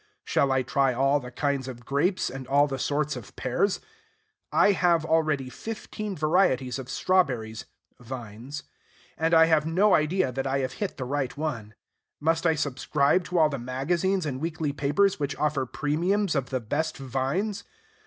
Shall I try all the kinds of grapes, and all the sorts of pears? I have already fifteen varieties of strawberries (vines); and I have no idea that I have hit the right one. Must I subscribe to all the magazines and weekly papers which offer premiums of the best vines?